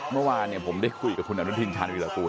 เมื่อวานผมได้คุยกับคุณอนุทินชาญวิรากูล